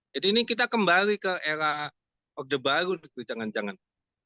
jadi ini kita kembali ke era order baru jangan jangan